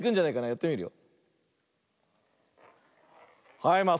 やってみるよ。